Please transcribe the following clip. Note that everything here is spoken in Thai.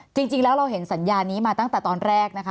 จริงแล้วเราเห็นสัญญานี้มาตั้งแต่ตอนแรกนะคะ